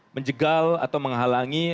menjegal atau menghalangi